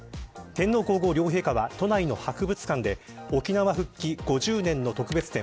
天皇皇后両陛下は都内の博物館で沖縄復帰後１０年の特別展